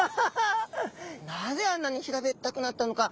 なぜあんなに平べったくなったのか？